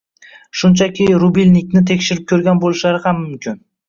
shunchaki rubilnikni tekshirib ko‘rgan bo‘lishlari ham mumkin.